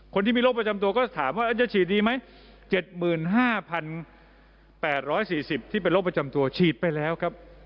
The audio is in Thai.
คนที่มีโรคประจำตัวก็ถามว่าจะฉีดดีไหม๗๕๘๔๐ที่เป็นโรคประจำตัวฉีดไปแล้วครับ